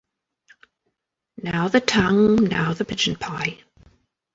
Now the tongue — now the pigeon pie.